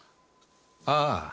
ああ。